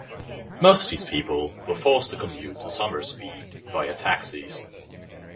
Most of these people were forced to commute to Somersby via taxis.